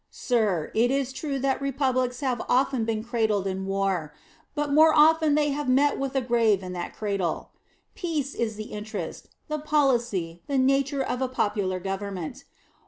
Sir, it is true that republics have often been cradled in war, but more often they have met with a grave in that cradle. Peace is the interest, the policy, the nature of a popular government.